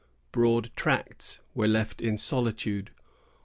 Broad tracts were left in solitude.